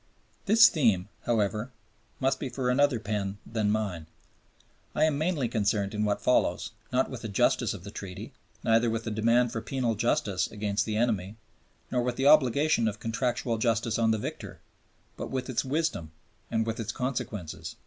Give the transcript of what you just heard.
This theme, however, must be for another pen than mine. I am mainly concerned in what follows, not with the justice of the Treaty, neither with the demand for penal justice against the enemy, nor with the obligation of contractual justice on the victor, but with its wisdom and with its consequences.